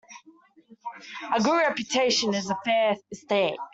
A good reputation is a fair estate.